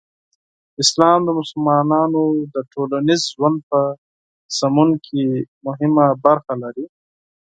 اسلام د مسلمانانو د ټولنیز ژوند په سمون کې مهمه برخه لري.